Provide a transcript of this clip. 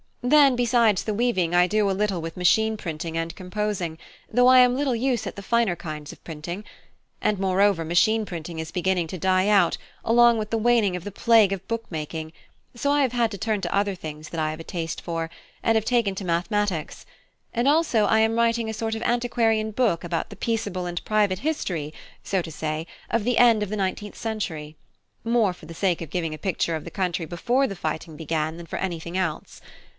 Then besides the weaving, I do a little with machine printing and composing, though I am little use at the finer kinds of printing; and moreover machine printing is beginning to die out, along with the waning of the plague of book making, so I have had to turn to other things that I have a taste for, and have taken to mathematics; and also I am writing a sort of antiquarian book about the peaceable and private history, so to say, of the end of the nineteenth century, more for the sake of giving a picture of the country before the fighting began than for anything else.